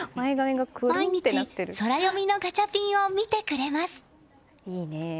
毎日ソラよみのガチャピンを見てくれます。